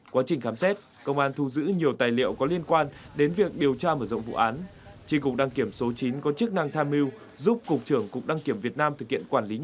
quá trình khám xét công an thu giữ nhiều tài liệu có liên quan đến việc điều tra mở rộng vụ án